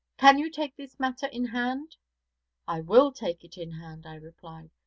'Can you take this matter in hand?' 'I will take it in hand,' I replied.